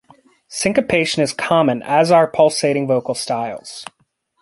Syncopation is common, as are pulsating vocal styles.